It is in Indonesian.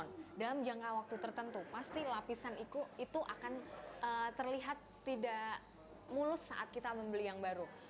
nah dalam jangka waktu tertentu pasti lapisan itu akan terlihat tidak mulus saat kita membeli yang baru